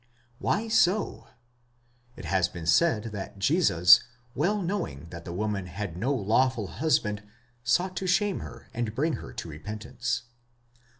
Why so? It has been said that Jesus, well knowing that the woman had no lawful husband, sought to shame her, and bring her to repentance.